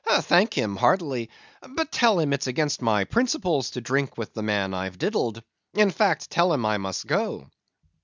"Thank him heartily; but tell him it's against my principles to drink with the man I've diddled. In fact, tell him I must go."